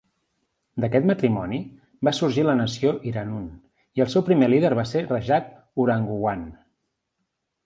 D'aquest matrimoni va sorgir la nació Iranun, i el seu primer líder va ser Rajah Urangguwan.